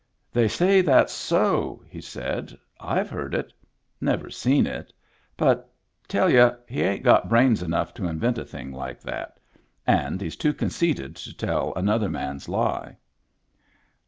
"They say that's so'' he said. " IVe heard it. Never seen it. But — tell y'u — he ain't got brains enough to invent a thing like that. And he's too conceited to tell another man's lie."